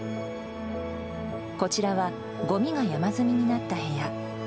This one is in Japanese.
こちらは、ごみが山積みになった部屋。